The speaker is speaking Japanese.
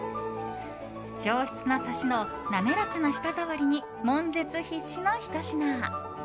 上質なサシの滑らかな舌触りに悶絶必至のひと品。